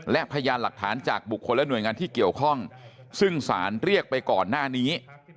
และพยานหลักฐานจากบุคคลและหน่วยงานที่เกี่ยวข้องซึ่งสารเรียกไปก่อนหน้านี้